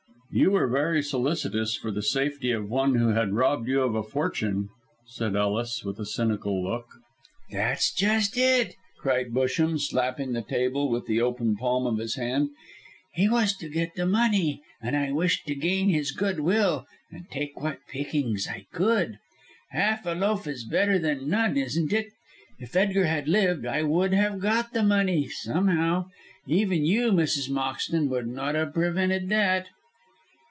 "You were very solicitous for the safety of one who had robbed you of a fortune," said Ellis, with a cynical look. "That's just it," cried Busham, slapping the table with the open palm of his hand, "he was to get the money, and I wished to gain his good will, and take what pickings I could. Half a loaf is better than none, isn't it? If Edgar had lived I would have got the money somehow. Even you, Mrs. Moxton, would not have prevented that."